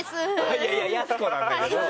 いやいややす子なんだけど。